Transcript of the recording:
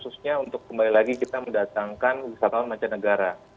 dan kembali lagi kita mendatangkan wisatawan mancanegara